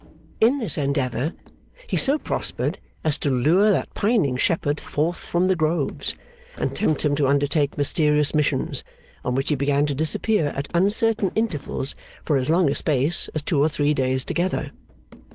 In this endeavour he so prospered as to lure that pining shepherd forth from the groves, and tempt him to undertake mysterious missions; on which he began to disappear at uncertain intervals for as long a space as two or three days together.